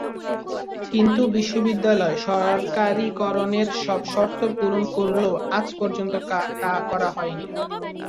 কিন্তু বিদ্যালয়টি সরকারীকরণের সব শর্ত পূরণ করলেও আজ পর্যন্ত তা করা হয়নি।